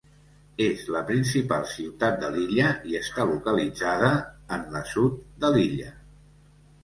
És la principal ciutat de l'illa, i està localitzada en la sud de l'illa.